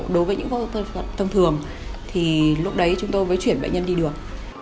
đối với những phẫu thuật thông thường thì lúc đấy chúng tôi mới chuyển bệnh nhân đi được